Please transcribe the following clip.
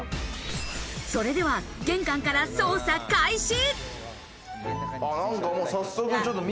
それでは玄関から捜査開始。